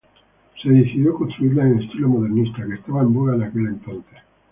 Se decidió construirla en estilo modernista que estaba en boga en aquel entonces.